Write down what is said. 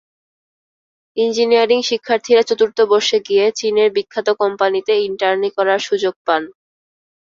Engineering শিক্ষার্থীরা চতুর্থ বর্ষে গিয়ে চীনের বিখ্যাত কোম্পানিতে ইন্টার্নি করার সুযোগ পান।